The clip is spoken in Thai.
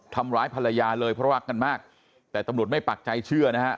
ทำร้ายภรรยาเลยเพราะรักกันมากแต่ตำรวจไม่ปักใจเชื่อนะฮะ